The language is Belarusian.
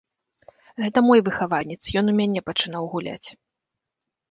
Гэта мой выхаванец, ён у мяне пачынаў гуляць.